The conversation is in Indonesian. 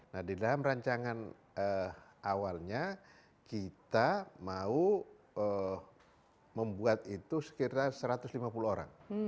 nah di dalam rancangan awalnya kita mau membuat itu sekitar satu ratus lima puluh orang